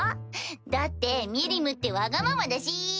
だってミリムってワガママだし！